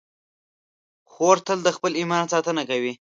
خور تل د خپل ایمان ساتنه کوي.